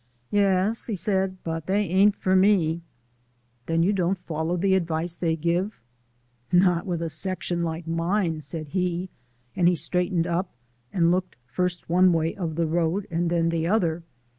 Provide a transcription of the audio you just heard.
"Yes," he said, "but they ain't for me." "Then you don't follow the advice they give?" "Not with a section like mine," said he, and he straightened up and looked first one way of the road and then the other.